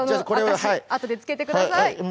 あとでつけてください。